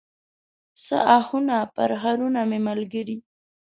څه آهونه، پرهرونه مې ملګري